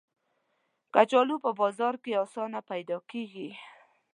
کچالو په بازار کې آسانه پیدا کېږي